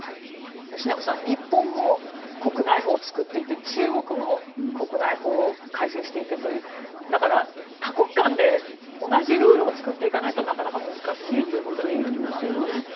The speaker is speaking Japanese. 吉永さん、日本も国内法を作っていて中国も国内法を改正していてというだから、多国間で同じルールを作っていかないとなかなか難しいということになりますね。